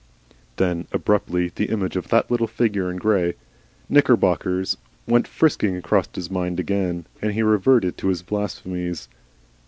Then abruptly the image of that lithe figure in grey knickerbockers went frisking across his mind again, and he reverted to his blasphemies.